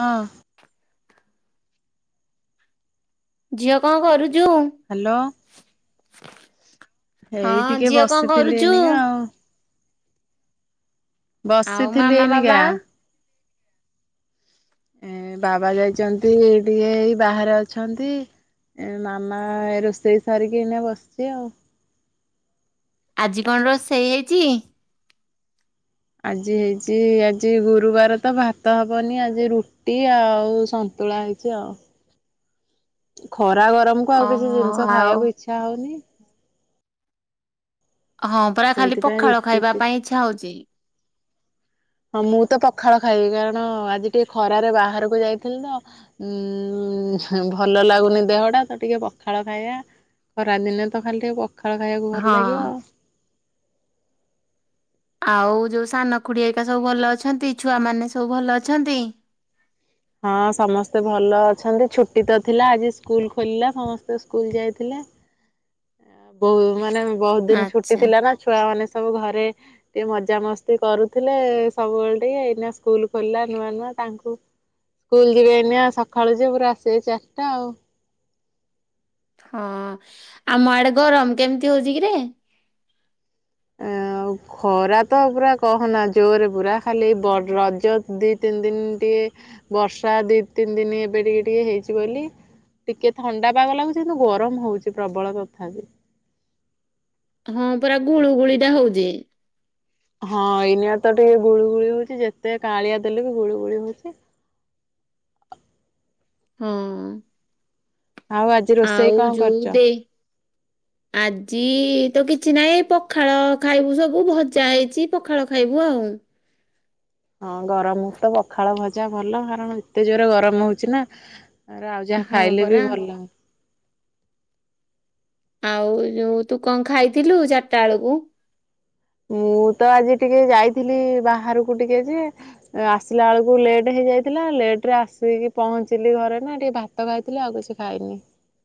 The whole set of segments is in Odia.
ହଁ ଝିଅ କଣ କରୁଛୁ, ହାଲୋ। ହେଇ ହଁ ଟିକେ ଝିଅ କଣ ବସିଥିଲି କରୁଛୁ? ଏନିକା ଆଉ। ଆଉ ବସିଥିଲି ମାମା ବାବା ଏଇନିଗା। ଏଁ ବାବା ଯାଇଚନ୍ତି ଟିକେ ଏଇ ବାହାରେ ଅଛନ୍ତି। ଏ ମାମାଏ ରୋଷେଇ ସାରିକି ଏଇନା ବସ୍ଚି ଆଉ। ଆଜି କଣ ରୋଷେଇ ହେଇଚି? ଆଜି ହେଇଛି ଆଜି ଗୁରୁବାର ତ ଭାତ ହବନି ଆଜି ରୁଟି ଆଉ ସନ୍ ତୁଳା ହେଇଛି ଆଉ। [inaudible] ଖରା ଗରମକୁ ଆଉ କିଛି ଓହୋ ଜିନିଷ ଆଉ ଖାଇୟାକୁ ଇଚ୍ଛା ହଉନି। ହଁ ପରା ଖାଲି ସେଇଥିପାଇଁ ପଖାଳ ରୁଟି ଖାଇବା ଟି ପାଇଁ ଇଚ୍ଛା ହଉଛି। ହଁ ମୁଁ ତ ପଖାଳ ଖାଇବି କାରଣ ଆଜି ଟିକେ ଖରାରେ ବାହାରକୁ ଯାଇଥିଲି ତ ଉଁ ହେଁ ଭଲ ଲାଗୁନି ଦେହ ଟା ତ ଟିକେ ପଖାଳ ଖାଇୟା। ଖରା ଦିନେ ତ ଖାଲି ଟିକେ ପଖାଳ ଖାଇବାକୁ ଭଲ୍ ହଁ ଲାଗିବ। ଆଉ ଯୋଉ ସାନ ଖୁଡ଼ିଆକା ସବୁ ଭଲ ଅଛନ୍ତି? ଛୁଆମାନେ ସବୁ ଭଲ ଅଛନ୍ତି? ହଁ ସମସ୍ତେ ଭଲ ଅଛନ୍ତି। ଛୁଟି ତ ଥିଲା ଆଜି ସ୍କୁଲ୍ ଖୋଲିଲା ସମସ୍ତେ ସ୍କୁଲ୍ ଯାଇଥିଲେ। ଏଁଅଁ ବୋହୁ ମାନେ ବହୁତ୍ ଦିନ୍ ଛୁଟି ଆଚ୍ଛା ଥିଲା ନା ଛୁଆ ମାନେ ସବୁ ଘରେ ଟିକେ ମଜା ମସ୍ତି କରୁଥିଲେ ସବୁବେଳେ ଟିକେ ଏକିନା ସ୍କୁଲ୍ ଖୋଲିଲା ନୂଆ ନୂଆ ତାଙ୍କୁ କୁଲ୍ ଯିବେ ଏଇନିଆଁ ସଖାଳୁ ଯିଏ ପୁରା ଆସିବେ ଚାର୍ଟା ଆଉ। ହଁ ଆମ ଆଡ଼େ ଗରମ୍ କେମିତି ହଉଛି କିରେ? ଏଁଆଉ ଖରା ତ ପୁରା କହନା ଜୋରେ ପୁରା ଖାଲି ବଡ଼୍ ରଜ ଦି ତିନ୍ ଦିନ୍ ତିଏ ବର୍ଷା ଦି ତିନ୍ ଦିନି ଏବେ ଟିକେ ଟିକେ ହେଇଛି ବୋଲି ଟିକେ ଥଣ୍ଡା ପାଗ ଲାଗୁଚି କିନ୍ତୁ ଗରମ୍ ହଉଛି ପ୍ରର୍ବଳ ତଥାପି। ହଁ ପରା ଗୁଳୁ ଗୁଳି ଟା ହଉଚି। ହଁ ଏଇନିଆଁ ତ ଟିକେ ଗୁଳୁ ଗୁଳି ହଉଛି ଯେତେ କାଳିଆ ଦେଲେ ବି ଗୁଳୁ ଗୁଳି ହଉଛି। ହଁ। ଆଉ ଆଜ୍ ଆଉ ଯୋଉ ଦେ। ଆଜି ତ କିଛି ନହିଁ ପଖାଳ ଖାଇବୁ ସବୁ ଭଜା ହେଇଚି ପଖାଳ ଖାଇବୁ ଆଉ। ହଁ ଗରମୁକୁ ତ ପଖାଳ ଭଜା ଭଲ କାରଣ ଏତେ ଜୋର ଗରମ ହଉଛି ନାଁ। ଆରେ ଆଉ ଯାହା ହଁ ଖାଇଲେ ବି ପରା ଭଲ। ଆଉ ଯଉ ତୁ କଣ ଖାଇଥିଲୁ ଚାଟା ଆଳୁକୁ? ମୁଁ ତ ଆଜି ଟିକେ ଯାଇଥିଲି ବାହାରୁକୁ ଟିକେ ଯିଏ। ଏଁ ଆସିଲା ଆଳୁକୁ ଲେଟ୍ ହେଇଯାଇଥିଲା ଲେଟ୍ ରେ ଆସିକି ପହଞ୍ଚିଲି ଘରେ ନା ଟିକେ ଦାଙ୍କ୍ ତ ଖାଇଥିଲେ ଆଉ କିଛି ଖାଇନି। ଁ [inaudible]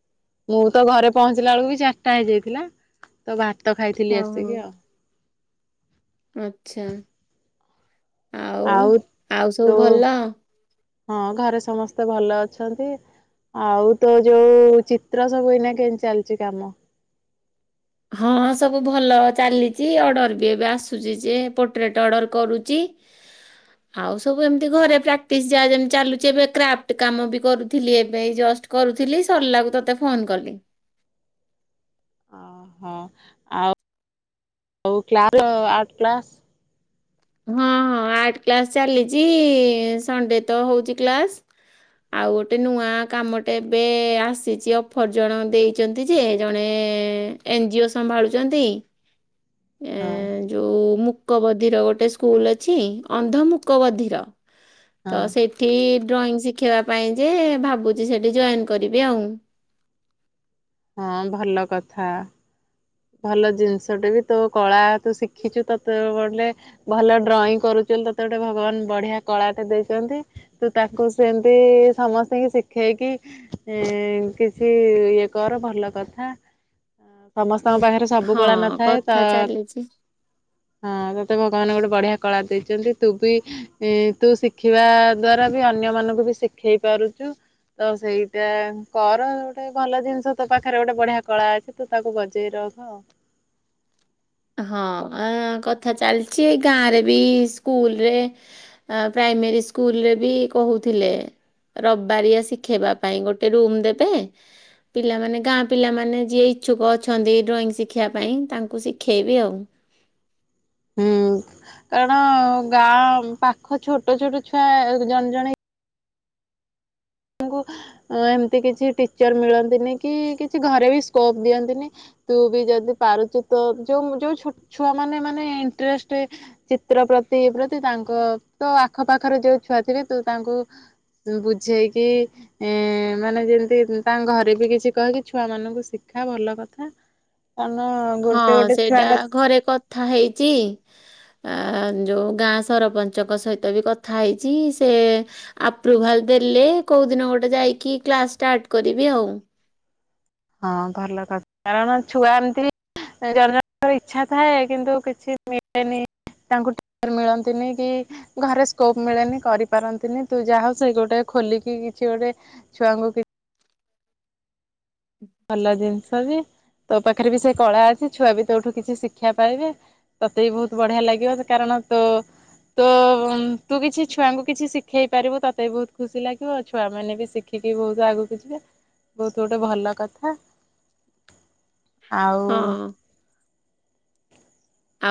ମୁଁ ତ ଘରେ ପହଞ୍ଚିଲା ଅଳୁକୁ ବି ଚାରିଟା ହେଇଯାଇଥିଲା ତ ଭାତ ଖାଇଥିଲି ହଁ ହଁ। ଆସିକି ଆଉ। ଆଚ୍ଛା। ଆଉ ଆଉ ସବୁ ତୋ? ଭଲ? ହଁ ଘରେ ସମସ୍ତେ ଭଲ ଅଛନ୍ତି। ଆଉ ତୋ ଯୋଉ ଚିତ୍ର ସବୁ ଏଇନାକେ ଚାଲିଛି କାମ। ହଁ ସବୁ ଭଲ ଚାଲିଛି ଅର୍ଡର ବି ଏବେ ଆସୁଚି ଜେ ପୋଟ୍ରରେଟ ଅଡ଼ର କରୁଛି। [inaudible] ଆଉ ସବୁ ଏମିତି ଘରେ ପ୍ରାକ୍ଟିସ୍ ଯାହା ଯେମ୍ ଚାଲୁଛି ଏବେ କ୍ରାଫ୍ଟ କାମ ବି କରୁଥିଲି ଏବେ ଏଇ ଜଷ୍ଟ କରୁଥିଲି ସରିଲାକୁ ତତେ ଫୋନ୍ କଲି। ହଁ ଆଉ ଉ କ୍ଲାଲ ଆଟ୍ କ୍ଲାସ୍। ହଁ ହଁ ଆର୍ଟ କ୍ଲାସ ଚାଲିଚି ସଣ୍ଡେ ତ ହଉଚି କ୍ଲାସ। ଆଉ ଗୋଟେ ନୂଆ କାମଟେ ଏବେ ଆସିଚି ଅଫର ଜଣ ଦେଇ ଚନ୍ତି ଯେ ଜଣେ ଏନଜିଓ ସମ୍ଭାଳୁଚନ୍ତି। ହଁ ଏଁ ଯୋଉ ମୁକ ବଧିର ଗୋ ଗୋଟେ ସ୍କୁଲ୍ ଅଛି ଅନ୍ଧ ମୁକ ବଧିର ହଁ ତ ସେଇ ଠି ଡ୍ରଇଂ ଶିଖେଇବା ପାଇଁ ଯେ ଭାବୁଚି ସେଠି ଜଏନ୍ କରିବି ଆଉଁ। ହଁ ଭଲ କଥା। ଭଲ ଜିନଷଟେ ବି ତୋ କଳା ତୁ ଶିଖିଚୁ ତତେ ବଲେ। ଭଲ ଡ୍ରଇଂ କରୁଚୁ ବୋଲି ତତେ ଗୋଟେ ଭଗବାନ ବଢିଆ କଳାଟେ ଦେଇଚନ୍ତି। ତୁ ତାକୁ ସେମତି ସମସ୍ତିଙ୍କି ଶିଖେଇକି। ଏଁ କିଛି ଇଏ କର ଭଲ କଥା। ତମ ପାଖେରେ ସବୁ ହଁ କଳା ନଥାଏ ତ। କଥା ଚାଲିଛି ହଁ ତତେ ଭଗବାନେ ଗୋଟେ ବଢିଆ କଳା ଦେଇଚନ୍ତି ତୁ ବି। ଇ ତୁ ଶିଖିବା ଦ୍ଵାରା ବି ଅନ୍ୟମାନଙ୍କୁ ବି ଶିଖେଇ ପାରୁଚୁ। ତ ସେଇଟା କର ଗୋଟେ ଭଲ ଜିନଷ ତୋ ପାଖରେ ଗୋଟେ ବଢିଆ କଳା ଅଛି ତୁ ତାକୁ ବ ଜେଇ ରଖ। ହଁ ଏଁ କଥା ଚାଲଚି ଏଇ ଗାଁ ରେ ବି ସ୍କୁଲ ରେ। ଆ ପ୍ରାଇମେରୀ ସ୍କୁଲରେ ବି କହୁଥିଲେ। ରବାରିଆ ଶିଖେଇବା ପାଇଁ ଗୋଟେ ରୁମ ଦେବେ। ପିଲାମାନେ ଗାଁ ପିଲାମାନେ ଯିଏ ଇଚ୍ଛୁକ ଅଛନ୍ତି ଡ୍ରଇଂ ଶିଖିବା ପାଇଁ ତାଙ୍କୁ ସି ଖେଇବି ଆଉ। ହୁଁ କାରଣ ଗାଁ ପାଖ ଛୋଟ ଛୋଟ ଛୁଆ ଜଣ ଜଣେ। ଣକୁ ଅଁ ଏମତି କିଛି ଟିଚର ମିଳନ୍ତିନି କି କିଛି ଘରେ ବି ସ୍କୋପ ଦିଅନ୍ତିନି। ତୁ ବି ଯଦି ପାରୁଚୁ ତୋ ଯୋଉ ମୁଁ ଯୋଉ ଛୋଟ ଛୁଆମାନେ ମାନେ ଇଣ୍ଟରେଷ୍ଟେ। ଚିତ୍ର ପ୍ରତି ପ୍ରତି ତାଙ୍କ ତୋ ଆଖ ପାଖରେ ଯୋଉ ଛୁଆ ଥିବେ ତୁ ତାଙ୍କୁ। ତୁ ବୁଝେଇକି। ଏଁ ମାନେ ଯେମତି ତାଙ୍କ ଘରେ ବି କିଛି କହିକି ଛୁଆମାନୁଙ୍କୁ ଶିଖା ଭଲ କଥା। କାରଣ ଗୋଟେ ଗୋଟେ ଛୁଆଙ୍କ ଥା ହେଇଚି। ଆଁ ଯୋଉ ଗାଁ ସରପଞ୍ଚଙ୍କ ସହିତ ବି କଥା ହେଇଚି ସେ। ଆପ୍ରୁଭାଲ ଦେଲେ କୋଉ ଦିନ ଗୋଟେ ଯାଇକି କ୍ଲାସ ଷ୍ଟାର୍ଟ କରିବି ଆଉ। ହଁ ଭଲ କଥା କାରଣ ଛୁଆ ଏମତି। ଏ ଜଣ ଜଣଙ୍କର ଇଚ୍ଛା ଥାଏ କିନ୍ତୁ କିଛି ମିଳେନି। ତାଙ୍କୁ ଟିଚର୍ ମିଳନ୍ତିନି କି। ଘରେ ସ୍କୋପ ମିଳେନି କରିପାରନ୍ତିନି ତୁ ଯାହାହଉ ସେଇ ଗୋଟେ ଖୋଲିକି କିଛି ଗୋଟେ। ଛୁଆଙ୍କୁ କି ଭଲ ଜିନିଷ ବି ତୋ ପାଖେରେ ବି ସେ କଳା ଅଛି ଛୁଆ ବି ତୋଠୁ କିଛି ଶିକ୍ଷା ପାଇବେ। ତତେ ବି ବହୁତ୍ ବଢିଆ ଲାଗିବ କାରଣ ତୋ। ତୋ ତୁ କିଛି ଛୁଆଙ୍କୁ କିଛି ଶିଖେଇ ପାରିବୁ ତତେ ବି ବହୁତ୍ ଖୁସି ଲାଗିବ ଆଉ ଛୁଆମାନେ ବି ଶି ଖିକି ବହୁତ୍ ଆଗୁକୁ ଯିବେ ବହୁତୁ ଗୋଟେ ଭଲ କ ଥା ଆଉ। ହଁ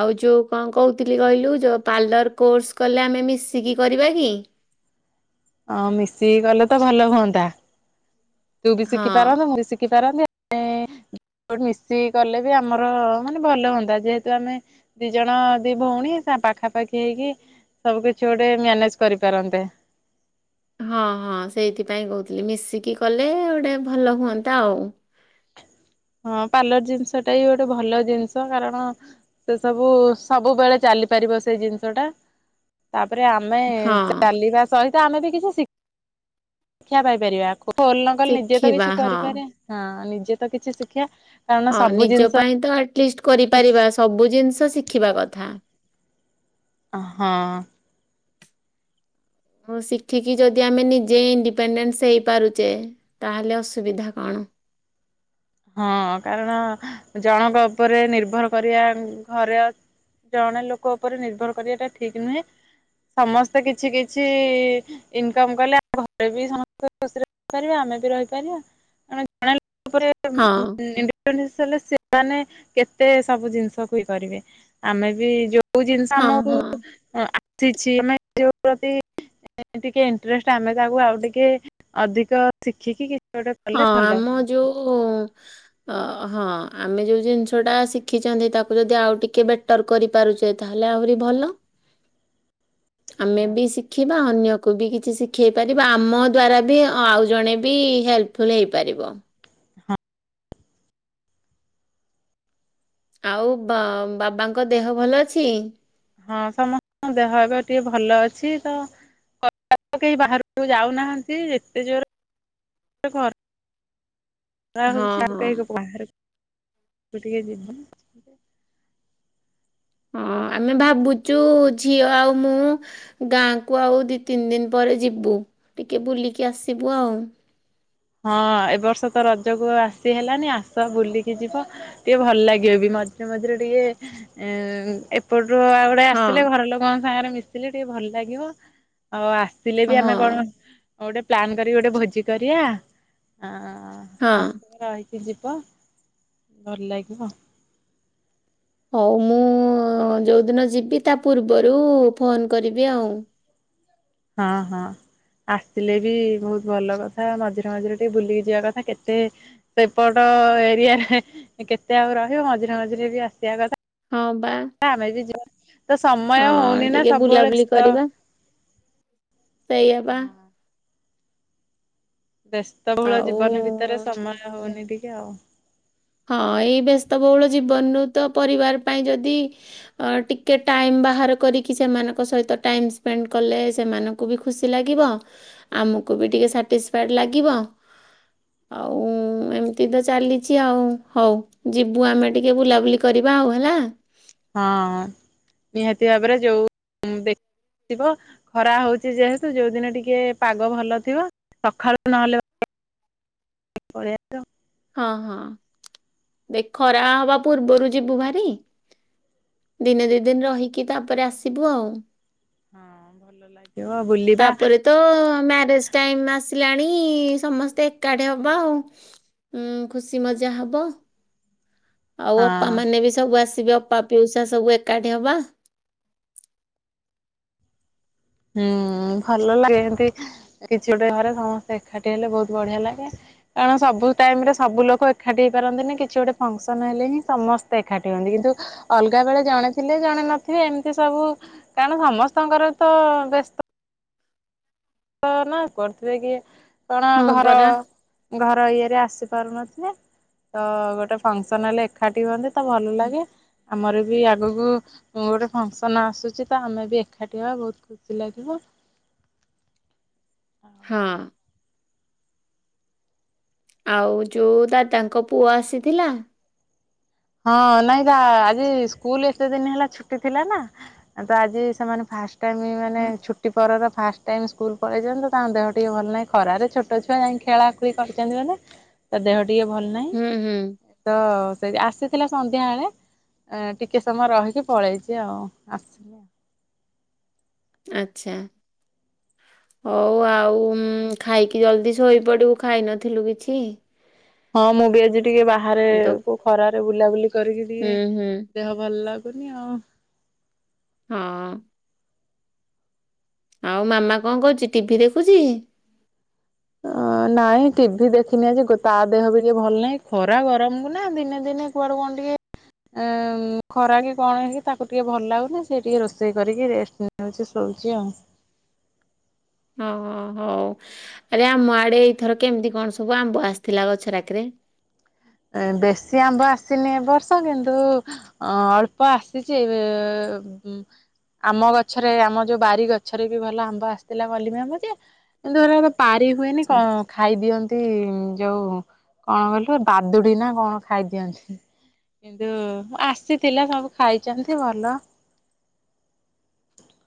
ଆଉ ଯୋଉ କଣ କହୁଥିଲି କହିଲୁ ଯୋ ପାର୍ଲର କୋର୍ସ କଲେ ଆମେ ମିଶିକି କରିବା କି? ଅଁ ମିଶିକି କଲେ ତ ଭଲ ହୁଅନ୍ତା। ତୁ ବି ହଁ ଶିଖି ପାରନ୍ତୁ ମୁଁ ବି ଶିଖି ପାରନ୍ତି ଆ। [inaudible] ଠ ମିଶିକି କଲେ ବି ଆମର ମାନେ ଭଲ ହୁଅନ୍ତା ଯେହେତୁ ଆମେ ଦି ଜଣ ଦି ଭଉଣୀ ପାଖାପାଖି ହେଇକି ସବୁ କିଛି ଗୋଟେ ମ୍ୟାନେଜ କରିପାରନ୍ତେ। ହଁ ହଁ ସେଇଥିପାଇଁ କହୁଥିଲି ମିଶିକି କଲେ ଗୋଟେ ଭଲ ହୁଅନ୍ତା ଆଉ। ହଁ ପାର୍ଲର ଜିନିଷଟା ବି ଗୋଟେ ଭଲ ଜିନିଷ କାରଣ ସେ ସବୁ ସବୁବେଳେ ଚାଲିପାରିବ ସେଇ ଜିନିଷଟା। ତାପରେ ଆମେ ହଁ ଚାଲିବା ସହିତ ଆମେ ବି କିଛି ଶିକ୍ଷା ପାଇପାରିବା। [unintelligible] ନିଜେ ତ ଶିଖିବା କିଛି ହଁ କରିପାରେ ହଁ ନିଜେ ତ କିଛି ଶିଖିବା ହଁ ନିଜ ପାଇଁ ତ ଆଟଲିଷ୍ଟ କରିପାରିବା ସବୁ ଜିନିଷ ଶିଖିବା କଥା। ହଁ। ଓଉ ଶିଖିକି ଯଦି ଆମେ ନିଜେ ଇଣ୍ଡିପେଣ୍ଡେଣ୍ଟ ହେଇପାରୁଛେ ତାହେଲେ ଅସୁବିଧା କଣ? ହଁ କାରଣ ଜଣଙ୍କ ଉପରେ ନିର୍ଭର କରିବା ଘରେ ଜଣେ ଲୋକ ଉପରେ ନିର୍ଭର କରିବାଟା ଠିକ ନୁହେଁ ସମସ୍ତେ କିଛି କିଛି ଇନକମ କଲେ ଆ ଘରେ ବି ସମସ୍ତେ ଖୁସିରେ ରହିପାରିବା ଆମେ ବି ରହିପାରିବା। ହଁ [unintelligible] ଷଲେ ସେମାନେ କେତେ ସବୁ ଜିନିଷକୁ ଇଏ କରିବେ ଆମେ ବି ଯ ସୋଉ ଜିନିଷ ହଁ ଆମକୁ ହଁ ଆସିଛି ଆମେ ଯଉ ପ୍ରତି ଟିକେ ଇଣ୍ଟରେଷ୍ଟ ଆମେ ତାକୁ ଆଉ ଟିକେ ଅଧିକ ଶିଖିକି କି ହଁ ଆମ ଯୋଉ ଅ ହଁ ଆମେ ଯୋଉ ଜିନିଷ ଟା ଶିଖିଛନ୍ତି ତାକୁ ଯଦି ଆଉ ଟିକେ ବେଟର କରି ପାରୁଛେ ତାହେଲେ ଆହୁରି ଭଲ ଆମେ ବି ହଁ। ଶି ଶିଖିବା ଅନ୍ୟକୁ ବି କିଛି ଶିଖେଇ ପାରିବା ଆମ ଦ୍ୱାରା ବି ଆଉ ଜଣେ ବି ହେଲ୍ପ ଫୁଲ ହେଇ ପାରିବ। ହଁ। ଆଉ ବା ବାବାଙ୍କ ଦେହ ଭଲ ଅଛି? ହଁ ସମସ୍ତଙ୍କ ଦେହ ଏବେ ଟିକେ ଭଲ ଅଛି ତ। କେହି ବାହାରକୁ ଯାଉନାହାନ୍ତି ଯେତେ ଜୋର ହଁ ହଁ [unintelligible] [unintelligible] [inaudible] ହଁ ଆମେ ଭାବୁଚୁ ଝିଅ ଆଉ ମୁଁ ଗାଁକୁ ଆଉ ଦି ତିନି ଦିନ ପରେ ଯିବୁ ଟିକେ ବୁଲିକି ଆସିବୁ ଆଉ। ହଁ ଏ ବର୍ଷତ ରଜକୁ ଆସି ହେଲାନି ଆସ ବୁଲିକି ଯିବ। ଟିକେ ଭଲ ଲାଗିବ ବି ମଝିରେ ମଝିରେ ଟିକେ ଏପଟରୁୁ ଆଉ ଆସିଲେ ହଁ ଘର ଲୋକଙ୍କ ସାଙ୍ଗରେ ମିଶିଲେ ଟିକେ ଭଲ ଲାଗିବ ଆଉ ଆସିଲେ ବି ହଁ ଆମେ କଣ ହଉ ଗୋଟେ ପ୍ଲାନ୍ କରିକି ଗୋଟେ ଭୋଜି କରିବା। ହ ହଁ ଆସିବ ରହିକି ଯିବ ଭଲ ଲାଗିବ। ହଉ ମୁଁ ଯୋଉଦିନ ଯିବି ତା ପୂର୍ବରୁ ଫୋନ କରିବି ଆଉ। ହଁ ହଁ। ଆସିଲେ ବି ବହୁତ ଭଲ କଥା ମଝିରେ ମଝିରେ ଟିକେ ବୁଲିକି ଯିବା କଥା କେତେ? ସେପଟ ଏରିଆରେ କେତେ ଆଉ ରହିବ ମଝିରେ ମଝିରେ ବି ଆସିବା କଥା। ହଁ ବା। ଆମେ ବି ଯିବା ତ ସମୟ ହଁ ହଉନି ନା ଟିକେ ସବୁବେଳେ ବୁଲାବୁଲି ତ। ସେଇଆବା। ବ୍ୟସ୍ତବହୁଳ ଜୀବନ ଭିତରେ ଆଉ ସମୟ ହଉନି ଟିକେ ଆଉ। ହଁ ଏଇ ବ୍ୟସ୍ତବହୁଳ ଜୀବନରୁ ତ ପରିବାର ପାଇଁ ଯଦି ଅ ଟିକେ ଟାଇମ ବାହାର କରିକି ସେମାନଙ୍କ ସହିତ ଟାଇମ ସ୍ପେଣ୍ଡ କଲେ ସେମାନଙ୍କ କୁବି ଖୁସି ଲାଗିଵ ଆମୁକୁ ବି ଟିକେ ସାଟିସିଫାଏଡ଼େ ଲାଗିବ। ଆଉ ଏମିତି ତ ଚାଲିଛି ଆଉ। ହଉ ଯିବୁ ଆମେ ଟିକେ ବୁଲାବୁଲି କରିବା ଆଉ ହେଲା। ହଁ ନିହାତି ଭାବରେ ଯୋଉ ଦେଖେ ଥିବ ଖରା ହଉଚି ଯେହେତୁ ଯୋଉ ଦିନ ଟିକେ ପାଗ ଭଲ ଥିବ ସକାଳୁ ନହେଲେ ପଳିଆ ତ। ହଁ ହଁ ଦେଖେ ଖରା ହବା ପୂର୍ବରୁ ଯିବୁ ଭାରି। ଦିନେ ଦି ଦିନି ରହିକି ତାପରେ ଆସିବୁ ଆଉ। ହଁ ଭଲ ଲାଗିବ ବୁଲିବା। ତୋ ମ୍ୟାରେଜେ ଟାଇମି ଆସିଲାଣି ସମସ୍ତେ ଏକାଠି ହବା ଆଉ। ଉଁ ଖୁସି ମଜା ହବ। ଆଉ ଅପା ହଁ। ମାନେ ବି ସବୁ ଆସିବେ ଅପା ପିଉସା ସବୁ ଏକାଠି ହବା। ହୁଁ ଭଲ ଲାଗେ ଏମତି କିଛି ଗୋଟେ ଘରେ ସମସ୍ତେ ଏକାଠି ହେଲେ ବହୁତ ବଢିଆ ଲାଗେ। କାରଣ ସବୁ ଟାଇମି ରେ ସବୁ ଲୋକ ଏକାଠି ହେଇପାରନ୍ତି ନେହିଁ କିଛି ଗୋଟେ ଫଙ୍କସନ୍ ହେଲେ ହିଁ ସମସ୍ତେ ଏକାଠି ହୁଅନ୍ତି। କିନ୍ତୁ ଅଲଗା ବେଳେ ଜଣେ ଥିଲେ ଜଣେ ନଥିବେ ଏମିତି ସବୁ କାରଣ ସମସ୍ତଙ୍କର ତ ବ୍ୟସ୍ତ। ତ ନା କରୁଥୁବେ କି କଣ ହଁ ଘର। ପରା ଘର ଇଏରେ ଆସି ପାରୁନଥିବେ ତ ଗୋଟେ ଫଙ୍କସନ୍ ହେଲେ ଏକାଠି ହୁଅନ୍ତି। ତ ଭଲ ଲାଗେ ଆମର ବି ବି ଆଗକୁ ଗୋଟେ ଫଙ୍କସନ୍ ଆସୁଚି ତ ଆମେ ବି ଏକାଠି ହେବା ବହୁତୁ ଖୁସି ଲାଗିବ। ଆଉ ହଁ। ଆଉ ଯୋଉ ଦାଦା ଙ୍କ ପୁଅ ଆସିଥିଲା। ହଁ ନାଇଁ ତା ଆଜି ସ୍କୁଲ ଏତେ ଦିନି ହେଲା ଛୁଟି ଥିଲା ନା। ତ ଆଜି ସେମାନେ ଫା ଟାଇମି ମାନେ ହଁ, ଛୁ ଛୁଟିି ପରର ଫାଷ୍ଟେ ଟାଇମ୍ ସ୍କୁଲ ପଳେଇଛନ୍ତି ତ ତାଙ୍କ ଦେହ ଟିକେ ଭଲ ନାହିଁ ଖରାରେ ଛୋଟ ଛୁଆ ଯାଇ ଖେଳାଖୁଳି କରିଛନ୍ତି ମାନେ ତା ଦେହ ଟିକେ ଭଲ ନାହଁ। ହୁଁ ହୁଁ। ତ ସେଇ ଆସଚି। ଥିଲା ସନ୍ଧ୍ୟାବେଳେ ଟିକେ ସମୟ ରହିକି ପଳେଇଚି ଆଉ ଆସିବ। ଆଚ୍ଛା। ହଉ ଆଉ ଖାଇକି ଜଲଦି ଶୋଇପଡିବୁ ଖାଇନଥିଲୁ କିଛି। ହଁ ମୁଁ ଗେଜେ ଟିକେ ବାହାରେ ତ କୁ ଖରାରେ ବୁଲାବୁଲି କରିକି ହୁଁ ଟିକିଏ ହୁଁ ଦେହ ଭଲ ଲାଗୁନି ଆଉ। ହଁ। ଆଉ ମାମା କଣ କରହୁଚି ଟିଭି ଦେଖୁଚି। ହଁ ନାଇଁ ଟିଭି ଦେଖିନେହିଁ ଯେ ତା ଦେହ ବି ଟିକେ ଭଲ ନାହିଁ ଖରା ଗରମକୁ ନା ଦିନେ ଦିନେ କୁଆଡୁ କଣ ଟିକେ ଖରା କି କଣ ହେଇକି ତାକୁ ଟିକେ ଭଲ ଲାଗୁନେହିଁ ସିଏ ଟିକେ ରୋଷେଇ କରିକି ରେଷ୍ଟେ ନେ ନୋଉଚି ଶୋଉଚି ଆଉ। ଓ ହ ହୋଉ ଆରେ ଆମ ଆଡେ ଏଇଥର କେମିତି କଣ ସବୁ ଆମ୍ବ ଆସିଥିଲା ଗଛଗୁରାକିରେ? ଏ ବେଶୀ ଆମ୍ବ ଆସିନି ଏବର୍ଷ କିନ୍ତୁ ଅ ଅଳ୍ପ ଆସିଛି। ଏ ଆମ ଗଛରେ ଆମ ଯୋଉ ବାରି ଗଛରେ ବି ଭଲ ଆମ୍ବ ଆସିଥିଲା କଲିମି ଆମ୍ବ ଯେ। କିନ୍ତୁ ଏରାକ ପାରି ହୁଏନି କଣ ଖାଇ ଦିଅନ୍ତି ଯୋଉ କଣ କଲୁ ପାଦୁଡି ନା କଣ ଖାଇଦିଅନ୍ତି? କିନ୍ତୁ ଆସିଥିଲା ସବୁ ଖାଇଚନ୍ତି ଭଲ।